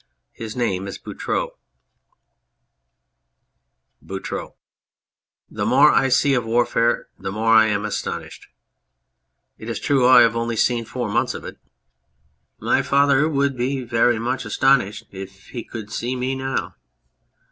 His name is Boutroux.} BOUTROUX. The more I see of warfare the more I am astonished !... It is true I have only seen four months of it. ... My father would be very much astonished if he could see me now